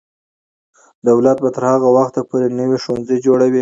دولت به تر هغه وخته پورې نوي ښوونځي جوړوي.